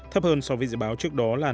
thấp hơn so với dự báo trước đó là năm